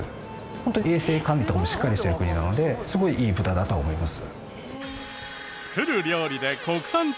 ホント衛生管理とかもしっかりしてる国なのですごいいい豚だと思います。